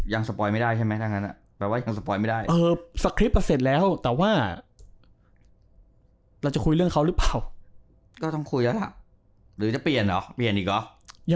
ยังสปอยไม่ได้ใช่ไหม